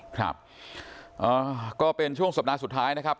ครับก็เป็นช่วงสัปดาห์สุดท้ายนะครับ